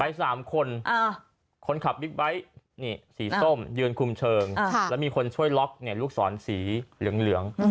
๓คนคนขับบิ๊กไบท์นี่สีส้มยืนคุมเชิงแล้วมีคนช่วยล็อกลูกศรสีเหลือง